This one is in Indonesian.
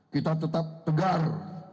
kita tetap tegar